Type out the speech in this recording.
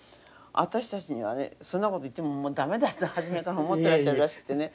私たちにはねそんなこと言ってももう駄目だと初めから思ってらっしゃるらしくてね。